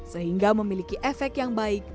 sehingga memiliki efek yang baik